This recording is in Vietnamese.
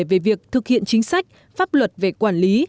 về việc thực hiện chính sách pháp luật về quản lý